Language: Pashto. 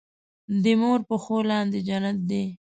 دې مور پښو لاندې جنت دی